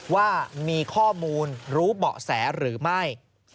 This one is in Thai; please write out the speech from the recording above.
ว่ามีข้อมูลรู้เบาะแสหรือไม่